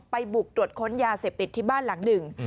บุกตรวจค้นยาเสพติดที่บ้านหลังหนึ่ง